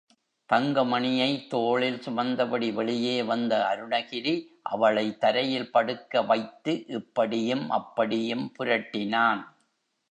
தங்கமணியை தோளில் சுமந்தபடி வெளியே வந்த அருணகிரி அவளை தரையில் படுக்க வைத்து இப்படியும் அப்படியும் புரட்டினான்.